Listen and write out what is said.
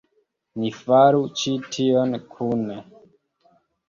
Ni faru ĉi tion kune!